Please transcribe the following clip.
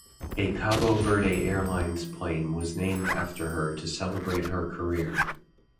A Cabo Verde Airlines plane was named after her to celebrate her career.